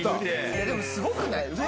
でもすごくない？